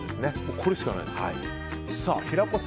これしかないです。